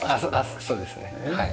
そうですねはい。